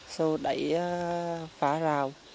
rồi đẩy phá rào